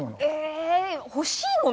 ええ欲しいもの？